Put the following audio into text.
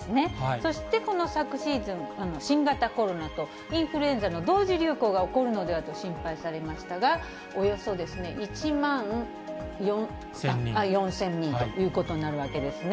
そして、この昨シーズン、新型コロナとインフルエンザと同時流行が起こるのではと心配されましたが、およそ１万４０００人ということになるわけですね。